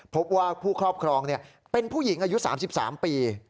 พบว่าผู้ครอบครองเป็นผู้หญิงอายุ๓๓ปี